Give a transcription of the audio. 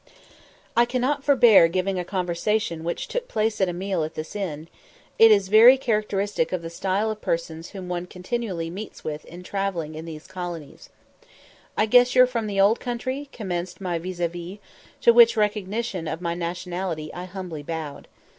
I cannot forbear giving a conversation which took place at a meal at this inn, as it is very characteristic of the style of persons whom one continually meets with in travelling in these colonies: "I guess you're from the Old Country?" commenced my vis à vis; to which recognition of my nationality I humbly bowed.